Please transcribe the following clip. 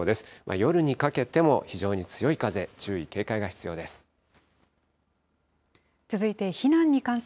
夜にかけても非常に強い風、注意、警戒が必要です。